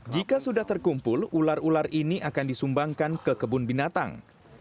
jika sudah terkumpul ular ular ini akan disumbangkan ke kebun binatang